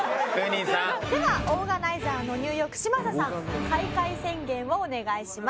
ではオーガナイザーのニューヨーク嶋佐さん開会宣言をお願いします。